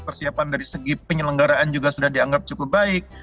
persiapan dari segi penyelenggaraan juga sudah dianggap cukup baik